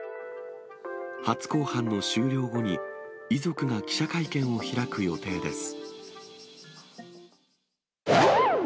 初公判の終了後に、遺族が記者会見を開く予定です。